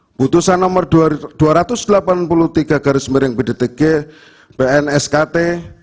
keputusan nomor dua ratus delapan puluh tiga garis miring bdtg pnskt